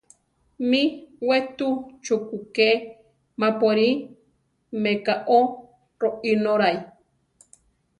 Mí wé tuu chukúke mapuarí me kao roínorai.